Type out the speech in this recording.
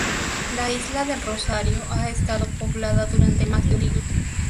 La isla del Rosario ha estado poblada durante más de un siglo.